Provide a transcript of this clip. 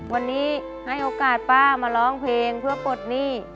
วันนี้ให้โอกาสป้ามาร้องเพลงเพื่อปลดหนี้